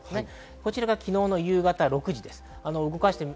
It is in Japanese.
こちらが昨日、夕方６時です。